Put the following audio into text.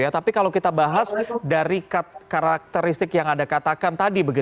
tapi kalau kita bahas dari karakteristik yang anda katakan tadi